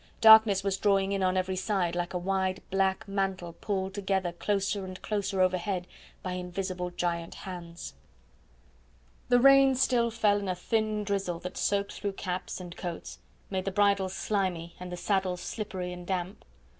Darkness was drawing in on every side like a wide, black mantle pulled together closer and closer overhead by invisible giant hands. The rain still fell in a thin drizzle that soaked through caps and coats, made the bridles slimy and the saddles slippery and damp.